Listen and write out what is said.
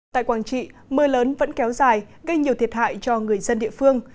tại quảng trị mưa lớn vẫn kéo dài gây nhiều thiệt hại cho người dân địa phương